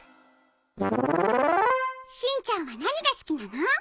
しんちゃんは何が好きなの？